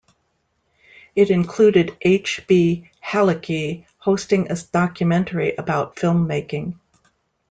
It included H. B. Halicki hosting a documentary about film making.